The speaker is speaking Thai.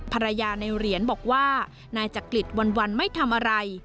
ภรรยาในเหรียญบอกว่านายจักริตวันไม่ทำอะไร